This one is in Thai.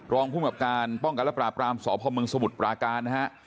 รองภูมิกับการป้องกันและปราบรามสพมสมุทรปราการนะฮะ